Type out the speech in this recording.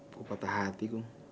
gue patah hati